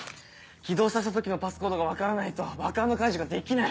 起動させた時のパスコードが分からないと爆破の解除ができない！